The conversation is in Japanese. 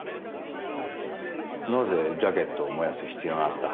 なぜジャケットを燃やす必要があった？